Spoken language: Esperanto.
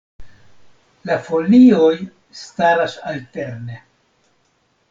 La folioj staras alterne.